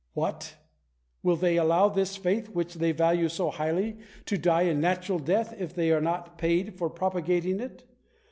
What ! will they allow this faith, which they value so highly, to die a natural death if they are not paid for propagating it